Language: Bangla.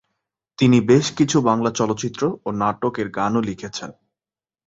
তিনি বেশ কিছু বাংলা চলচ্চিত্র ও নাটক এর গানও লিখেছেন।